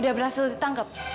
udah berhasil ditangkap